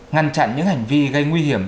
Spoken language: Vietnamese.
ngăn chặn những hành vi gây nguy hiểm